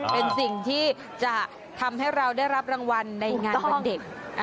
เป็นสิ่งที่จะทำให้เราได้รับรางวัลในงานวันเด็ก